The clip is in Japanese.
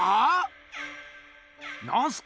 なんすか？